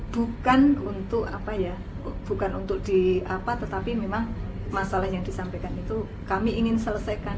bukan untuk apa ya bukan untuk di apa tetapi memang masalah yang disampaikan itu kami ingin selesaikan